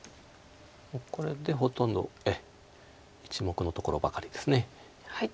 これでほとんど１目のところばかりです。